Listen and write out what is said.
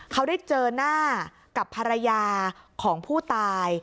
เขาได้เจอหน้ากับภรรยาของผู้ตาย